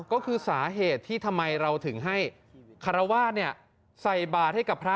ก็คือสาเหตุที่ทำไมเราถึงให้คารวาสใส่บาทให้กับพระ